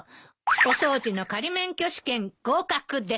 お掃除の仮免許試験合格です。